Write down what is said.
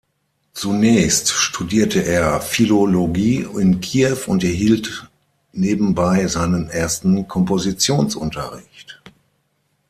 Zunächst studierte er Philologie in Kiew und erhielt nebenbei seinen ersten Kompositionsunterricht.